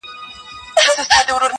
ټول زموږ د لوڅې